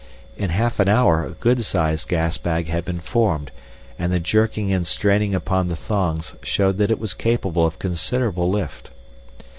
In half an hour a good sized gas bag had been formed, and the jerking and straining upon the thongs showed that it was capable of considerable lift.